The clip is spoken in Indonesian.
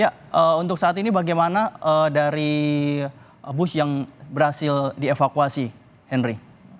ya untuk saat ini bagaimana dari bus yang berhasil dievakuasi henry